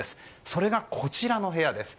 それがこちらの部屋です。